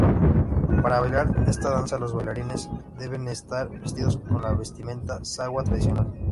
Para bailar esta danza, los bailarines deben estar vestidos con la vestimenta sawa tradicional.